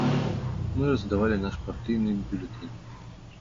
Мы раздавалі наш партыйны бюлетэнь.